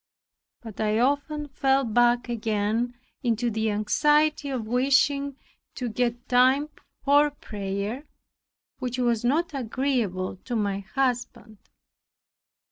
But I often fell back again into the anxiety of wishing to get time for prayer, which was not agreeable to my husband.